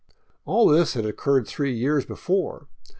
All this had occurred three years before.